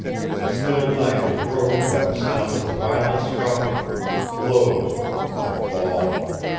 The still night was broken by the sound of a violent scuffle blows a fall.